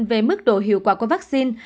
về mức độ hiệu quả của vaccine